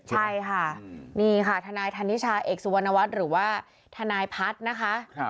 ใช่ค่ะนี่ค่ะทนายธนิชาเอกสุวรรณวัฒน์หรือว่าทนายพัฒน์นะคะ